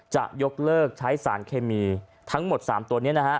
จะยกเลิกใช้สารเคมีทั้งหมด๓ตัวนี้นะฮะ